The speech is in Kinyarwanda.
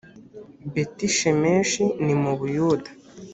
betishemeshi ni mu buyuda .